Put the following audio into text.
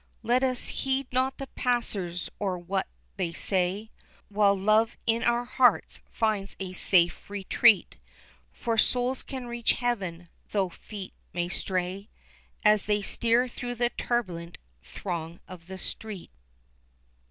Let us heed not the passers or what they say, While Love in our hearts finds a safe retreat, For souls can reach Heaven, though feet may stray As they steer through the turbulent throng of the street.